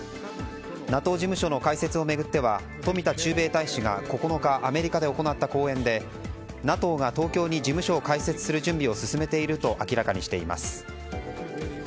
ＮＡＴＯ事務所の開設を巡っては冨田駐米大使が９日アメリカで行った講演でＮＡＴＯが東京に事務所を開設する準備を進めていると明らかにしています。